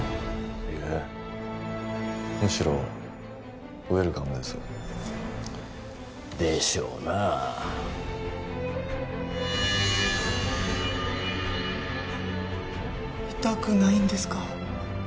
いえむしろウエルカムですでしょうな痛くないんですか？